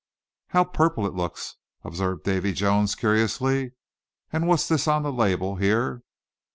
"How purple it looks," observed Davy Jones, curiously; "and what's this on the label, here.